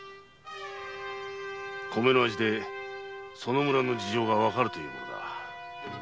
米の味でその村の事情がわかるというものだ。